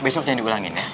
besok jangan diulangin ya